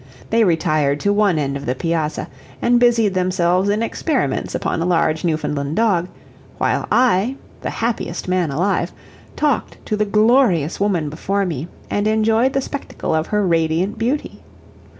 They retired to one end of the piazza, and busied themselves in experiments upon a large Newfoundland dog, while I, the happiest man alive, talked to the glorious woman before me, and enjoyed the spectacle of her radiant beauty.